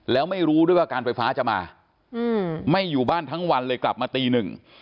แล้วไม่รู้ด้วยว่าการไฟฟ้าจะมาอืมไม่อยู่บ้านทั้งวันเลยกลับมาตีหนึ่ง